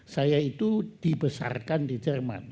saya itu dibesarkan di jerman